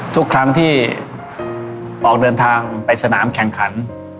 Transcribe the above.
ทุกครั้งที่ออกเดินทางไปสนามแข่งขัน